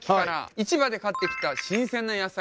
市場で買ってきた新鮮な野菜。